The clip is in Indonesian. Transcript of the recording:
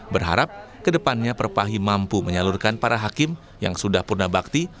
berharap kedepannya perpahi mampu menyalurkan para hakim yang sudah purna bakti